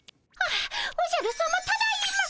あおじゃるさまただいま。